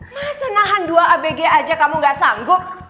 masa nahan dua abg aja kamu gak sanggup